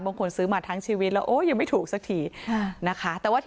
บางคนซื้อมาทั้งชีวิตแล้วโอ๊ยยังไม่ถูกสักทีนะคะ